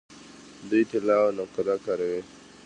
دوی طلا او نقره کاروي.